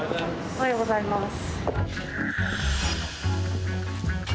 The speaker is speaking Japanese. おはようございます。